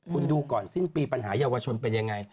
คุณดูก่อนสิ้นปีปัญหาเยาวชนเป็นยังไง